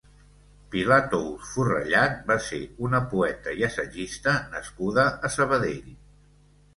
Pilar Tous Forrellad va ser una poeta i assagista nascuda a Sabadell.